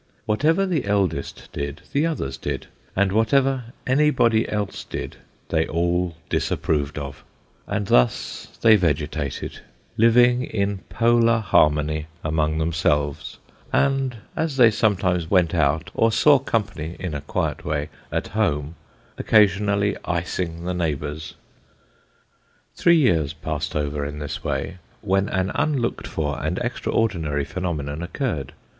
Whatever the eldest did, the others did, and whatever anybody else did, they all disapproved of; and thus they vegetated living in Polar harmony among themselves, and, as they sometimes went out, or saw company "in a quiet way" at home, occasionally iceing the neighbours. Three years passed over in this way, when an unlooked for and extraordinary phenomenon occurred.